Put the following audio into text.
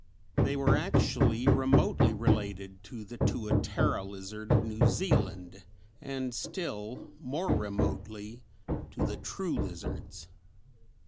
They were actually remotely related to the tuatera lizard of New Zealand, and still more remotely to the true lizards.